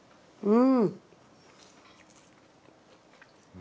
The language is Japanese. うん！